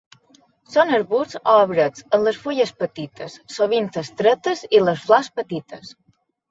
Són arbusts o arbrets amb les fulles petites sovint estretes i les flors petites.